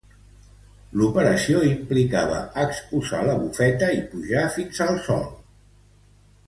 L'operació implicava exposar la bufeta i pujar fins al sòl.